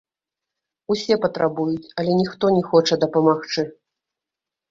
Усе патрабуюць, але ніхто не хоча дапамагчы.